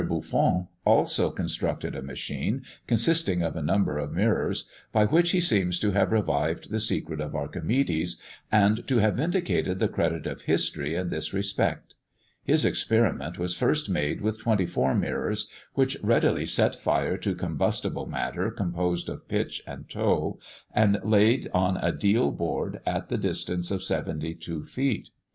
Buffon also constructed a machine, consisting of a number of mirrors, by which he seems to have revived the secret of Archimedes, and to have vindicated the credit of history in this respect. His experiment was first made with twenty four mirrors, which readily set fire to combustible matter composed of pitch and tow, and laid on a deal board at the distance of seventy two feet.